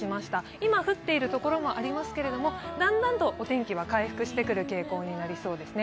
今降っている所もありますが、だんだんとお天気は回復している傾向になりそうです。